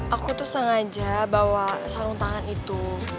aku tuh sengaja bawa sarung tangan itu